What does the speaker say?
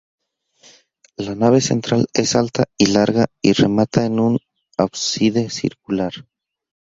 La nave central es alta y larga y remata e un ábside circular.